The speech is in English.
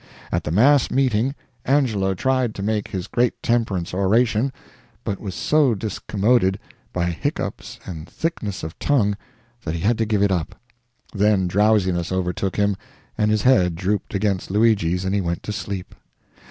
At the mass meeting Angelo tried to make his great temperance oration, but was so discommoded by hiccoughs and thickness of tongue that he had to give it up; then drowsiness overtook him and his head drooped against Luigi's and he went to sleep.